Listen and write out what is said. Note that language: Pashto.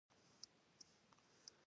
په افغانستان کې ډېر شمیر کلي شتون لري.